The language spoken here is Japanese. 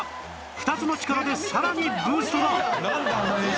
２つの力でさらにブーストだ